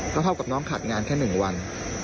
เข้ากับน้องขาดงานแค่หนึ่งวัน